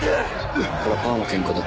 これはパーのケンカだ。